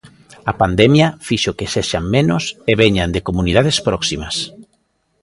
A pandemia fixo que sexan menos e veñan de comunidades próximas.